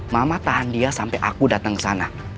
mama tahan dia sampai aku datang ke sana